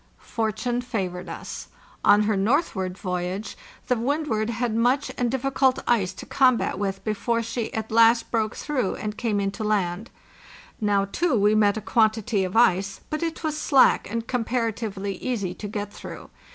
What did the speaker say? Fortune favored us. On her northward voyage the Windward had much and difficult ice to combat with CAPE FLORA. FAREWELL TO FRANZ JOSEF LAND before she at last broke through and came in to land. Now, too, we met a quantity of ice, but it was slack and comparatively easy to get through.